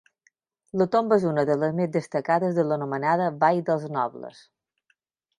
La tomba és una de les més destacades de l'anomenada Vall dels Nobles.